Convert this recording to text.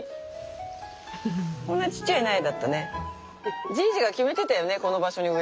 こんなちっちゃい苗だったね。